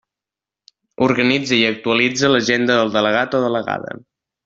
Organitza i actualitza l'agenda del delegat o delegada.